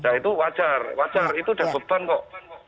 nah itu wajar wajar itu udah beban kok